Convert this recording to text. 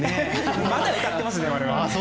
まだ歌ってますね、我々も。